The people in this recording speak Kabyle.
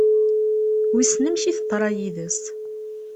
Wissen amek i teḍra yid-s?